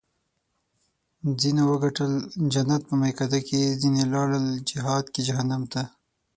ځینو وګټل جنت په میکده کې ځیني لاړل په جهاد کې جهنم ته